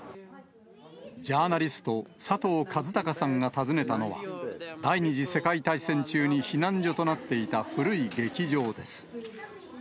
ジャーナリスト、佐藤和孝さんが訪ねたのは、第２次世界大戦中に避難所となっていた古い劇場です。